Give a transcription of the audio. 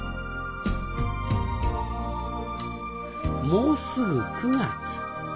もうすぐ９月。